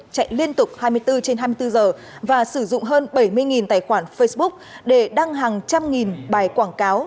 chạy liên tục hai mươi bốn trên hai mươi bốn giờ và sử dụng hơn bảy mươi tài khoản facebook để đăng hàng trăm nghìn bài quảng cáo